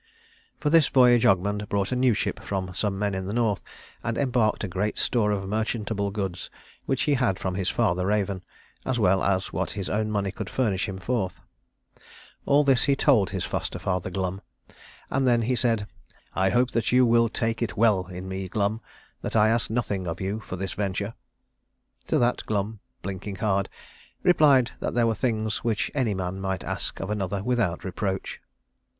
For this voyage Ogmund bought a new ship from some men in the North, and embarked a great store of merchantable goods which he had from his father Raven, as well as what his own money could furnish him forth. All this he told his foster father Glum; and then he said, "I hope that you will take it well in me, Glum, that I ask nothing of you for this venture." To that Glum, blinking hard, replied that there were things which any man might ask of another without reproach.